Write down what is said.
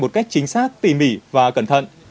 một cách chính xác tỉ mỉ và cẩn thận